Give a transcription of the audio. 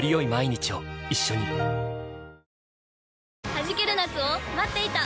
はじける夏を待っていた。